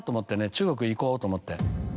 中国行こうと思って。